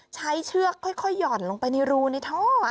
เชือกค่อยหย่อนลงไปในรูในท่อ